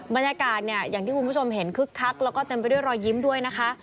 บรรยากาศเนี่ยอย่างที่คุณผู้ชมเห็นคึกคักแล้วก็เต็มไปด้วยรอยยิ้มด้วยนะคะ